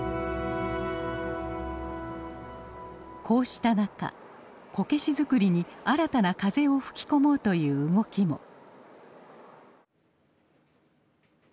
こうした中こけし作りに新たな風を吹き込もうという動きも。